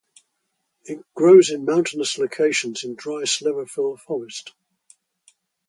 It grows in mountainous locations in dry sclerophyll forest.